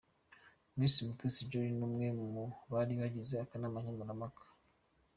Miss Mutesi Jolly ni umwe mu bari bagize akanama nkemurampaka.